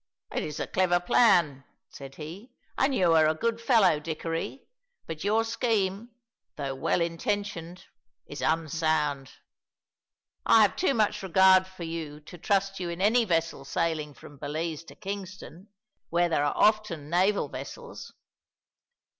"It is a clever plan," said he, "and you are a good fellow, Dickory, but your scheme, though well intentioned, is unsound. I have too much regard for you to trust you in any vessel sailing from Belize to Kingston, where there are often naval vessels.